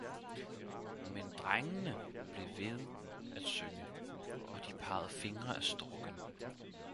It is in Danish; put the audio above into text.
Men drengene blev ved at synge, og de pegede fingre af storkene